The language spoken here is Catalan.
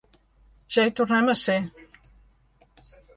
Ja hi tornem a ser!